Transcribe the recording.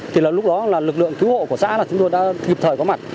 thì lúc đó là lực lượng cứu hộ của xã là chúng tôi đã thiệp thời có mặt